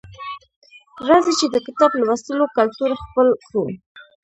راځئ چې د کتاب لوستلو کلتور خپل کړو